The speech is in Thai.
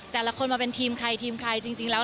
แต่ละคนมาเป็นทีมใครทีมใครจริงแล้ว